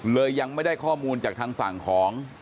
ยังไม่ได้ข้อมูลจากทางฝั่งของ